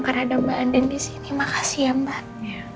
karena ada mbak andin disini makasih ya mbak